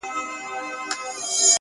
ته لږه ایسته سه چي ما وویني؛